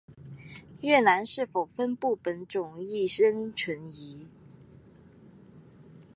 越南是否分布本种亦仍存疑。